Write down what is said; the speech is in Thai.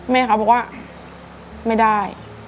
แม่เขาบอกว่าไม่ได้